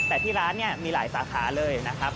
แต่ที่ร้านเนี่ยมีหลายสาขาเลยนะครับ